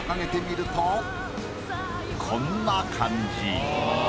こんな感じ。